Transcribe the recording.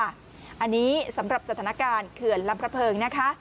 อันนี้สำหรับสถานการณ์เขื่อนลำพระเพิงนะคะ